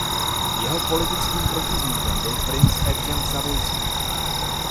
Jeho politickým protivníkem byl princ Evžen Savojský.